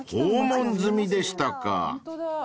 ［訪問済みでしたか］